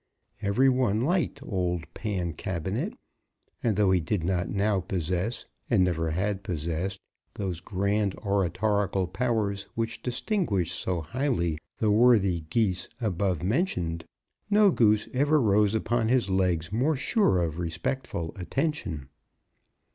Every one liked old Pancabinet, and though he did not now possess, and never had possessed, those grand oratorical powers which distinguished so highly the worthy Geese above mentioned, no Goose ever rose upon his legs more sure of respectful attention.